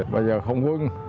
bây giờ không quân